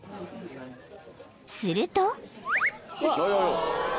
［すると］